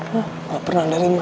hah gak pernah dari mana